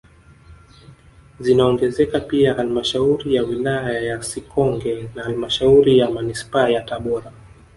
Zinaongezeka pia halmashauri ya wilaya ya Sikonge na halmashauri ya manispaa ya Tabora